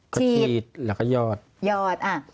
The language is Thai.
ก็ขีดแล้วก็ยอดยอดอ่ะ